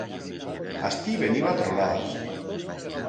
Astí veniba tronadas.